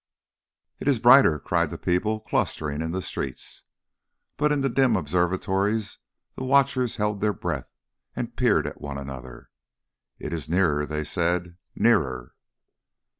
"It is brighter!" cried the people clustering in the streets. But in the dim observatories the watchers held their breath and peered at one another. "It is nearer," they said. "_Nearer!